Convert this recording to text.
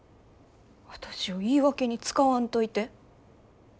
私を言い訳に使わんといて。